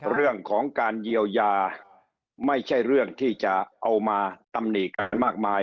เรื่องของการเยียวยาไม่ใช่เรื่องที่จะเอามาตำหนิกันมากมาย